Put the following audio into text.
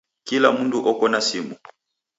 Kila mundu oko na simu